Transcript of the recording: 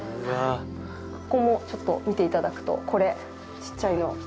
ここもちょっと見ていただくと、これ、ちっちゃいの。